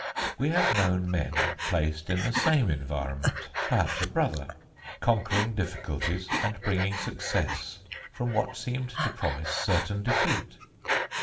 We have known men placed in the same environment, perhaps a brother, conquering difficulties and bringing success from what seemed to promise certain defeat.